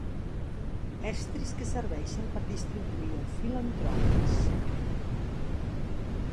Estris que serveixen per distribuir el fil en troques.